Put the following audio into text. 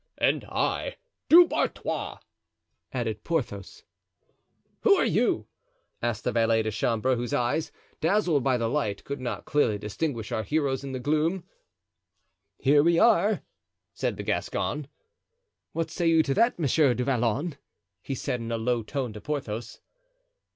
"And I, Du Barthois," added Porthos. "Where are you?" asked the valet de chambre, whose eyes, dazzled by the light, could not clearly distinguish our heroes in the gloom. "Here we are," said the Gascon. "What say you to that, Monsieur du Vallon?" he added in a low tone to Porthos.